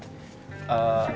tidak itu ria